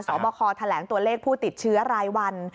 บคแถลงตัวเลขผู้ติดเชื้อรายวัน